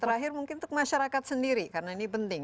terakhir mungkin untuk masyarakat sendiri karena ini penting